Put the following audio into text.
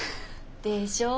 でしょう？